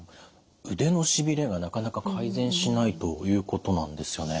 腕のしびれがなかなか改善しないということなんですよね。